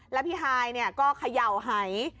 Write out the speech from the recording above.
และพี่ฮายเนี่ยก็เขย่าให้